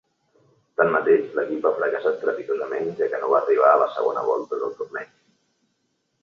Tanmateix, l'equip va fracassar estrepitosament, ja que no va arribar a la segona volta del torneig.